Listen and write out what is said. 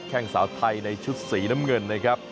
แค่งสาวไทยในชุดสีน้ำเงินนะครับ